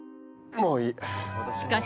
もういい！